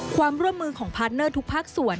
ความร่วมมือของพาร์ทเนอร์ทุกภาคส่วน